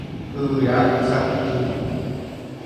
Yvyra isa'yju.